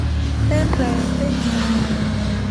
เต้นแร้งเต้นแฉ่ง